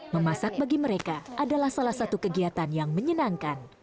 memasak bagi mereka adalah salah satu kegiatan yang menyenangkan